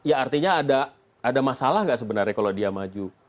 ya artinya ada masalah nggak sebenarnya kalau dia maju